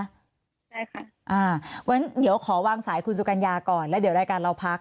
เพราะฉะนั้นเดี๋ยวขอวางสายคุณสุกัญญาก่อนแล้วเดี๋ยวรายการเราพัก